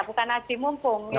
bukan aji mumpung ya